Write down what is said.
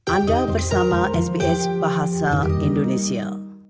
anda bersama sbs bahasa indonesia